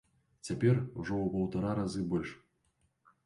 Цяпер ужо ў паўтара разы больш!